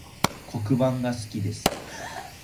黒板が好きです